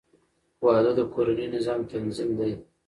• واده د کورني نظام تنظیم دی.